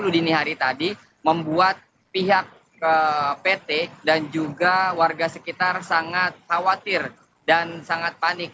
dini hari tadi membuat pihak pt dan juga warga sekitar sangat khawatir dan sangat panik